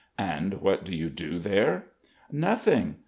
"And what do you do there?" "Nothing!